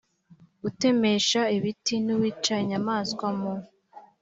utemesha ibiti n uwica inyamaswa mu